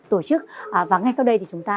tổ chức và ngay sau đây thì chúng ta